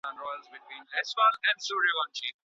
حضوري ټولګي ولي د انټرنیټي زده کړو په پرتله ډېر امکانات لري؟